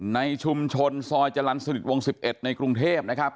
ในชุมชนซอยจรรย์สนิทวง๑๑ในกรุงเทพนะครับ